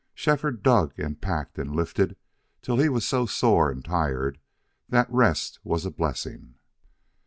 Shefford dug and packed and lifted till he was so sore and tired that rest was a blessing.